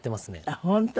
あっ本当？